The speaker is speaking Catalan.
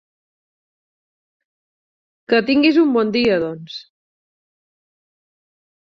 Que tinguis un bon dia, doncs!